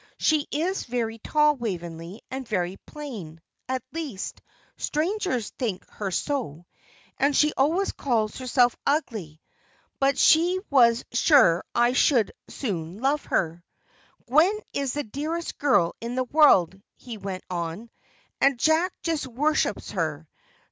She is very tall, Waveney, and very plain at least, strangers think her so; and she always calls herself ugly, but he was sure I should soon love her. 'Gwen is the dearest girl in the world,' he went on, 'and Jack just worships her.